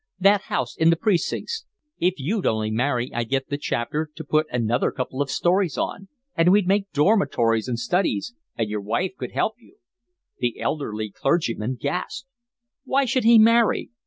"That house in the precincts—if you'd only marry I'd get the Chapter to put another couple of stories on, and we'd make dormitories and studies, and your wife could help you." The elderly clergyman gasped. Why should he marry?